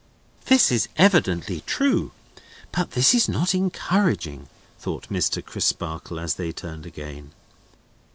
"This is evidently true. But this is not encouraging," thought Mr. Crisparkle as they turned again.